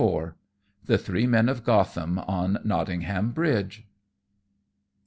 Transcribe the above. _The Three Men of Gotham on Nottingham Bridge.